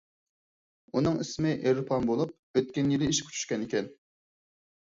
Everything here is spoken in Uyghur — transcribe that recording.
ئۇنىڭ ئىسمى ئېرپان بولۇپ، ئۆتكەن يىلى ئىشقا چۈشكەن ئىكەن.